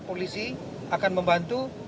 polisi akan membantu